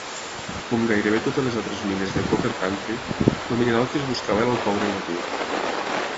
Com gairebé totes les altres mines de Copper Country, el mineral que es buscava era el coure natiu.